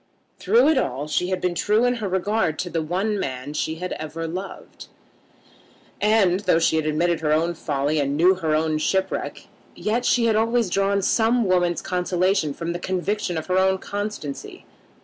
Through it all she had been true in her regard to the one man she had ever loved, and, though she admitted her own folly and knew her own shipwreck, yet she had always drawn some woman's consolation from the conviction of her own constancy.